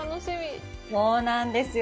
そうなんですよ。